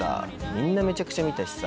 みんなめちゃくちゃ見たしさ。